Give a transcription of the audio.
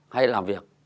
hay làm việc